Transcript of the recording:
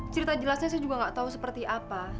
cerita jelasnya saya juga nggak tahu seperti apa